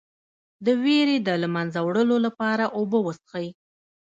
د ویرې د له منځه وړلو لپاره اوبه وڅښئ